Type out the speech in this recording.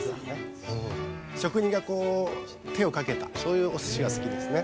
職人がこう手をかけたそういうお寿司が好きですね。